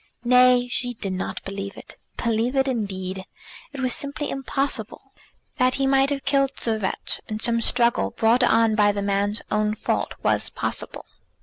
Nay, she did not believe it. Believe it, indeed! It was simply impossible. That he might have killed the wretch in some struggle brought on by the man's own fault was possible.